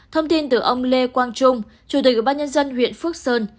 thông tin từ ông lê quang trung chủ tịch ubnd huyện phước sơn